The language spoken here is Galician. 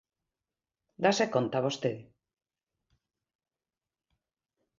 ¿Dáse conta vostede?